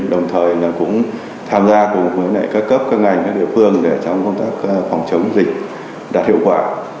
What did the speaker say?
đồng thời cũng tham gia cùng với các cấp các ngành các địa phương để trong công tác phòng chống dịch đạt hiệu quả